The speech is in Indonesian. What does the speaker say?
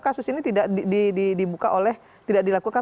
karena itu tidak dilakukan